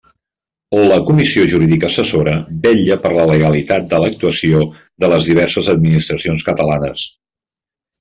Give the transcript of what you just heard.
La Comissió Jurídica Assessora vetlla per la legalitat de l'actuació de les diverses administracions catalanes.